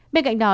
bên cạnh đó